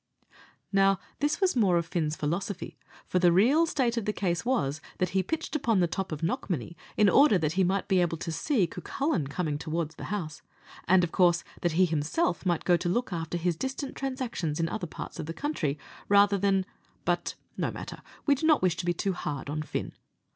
Now, this was more of Fin's philosophy; for the real state of the case was, that he pitched upon the top of Knockmany in order that he might be able to see Cucullin coming towards the house, and, of course, that he himself might go to look after his distant transactions in other parts of the country, rather than but no matter we do not wish to be too hard on Fin.